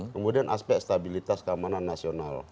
kemudian aspek stabilitas keamanan nasional